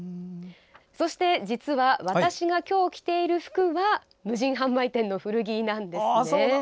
そして実は私が今日着ている服は無人販売店の古着なんですね。